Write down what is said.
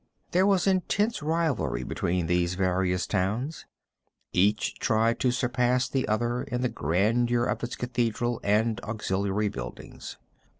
There was intense rivalry between these various towns. Each tried to surpass the other in the grandeur of its cathedral and auxiliary buildings.